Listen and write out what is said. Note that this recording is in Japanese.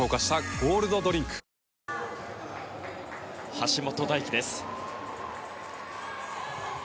橋本大輝です。